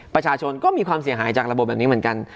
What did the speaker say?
ประชาชนก็มีความเสียหายจากระบบแบบนี้เหมือนกัน